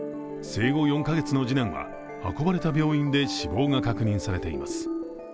生後４カ月の次男は運ばれた病院で死亡が確認されています。